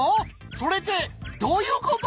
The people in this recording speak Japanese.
それってどういうこと！？